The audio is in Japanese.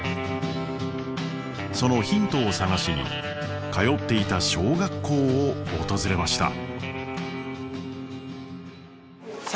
そのヒントを探しに通っていた小学校を訪れました。